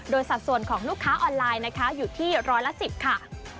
โดยสัดส่วนของลูกค้าออนไลน์นะคะอยู่ที่ร้อยละ๑๐ค่ะ